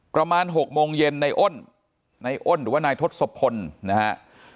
ประมาณ๖โมงเย็นในอ้นในอ้นหรือว่านายทศพลนะฮะ